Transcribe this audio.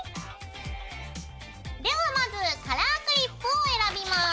ではまずカラークリップを選びます。